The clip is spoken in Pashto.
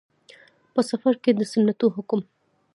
په. سفر کې د سنتو حکم